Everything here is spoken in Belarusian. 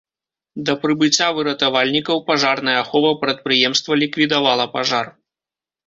Да прыбыцця выратавальнікаў пажарная ахова прадпрыемства ліквідавала пажар.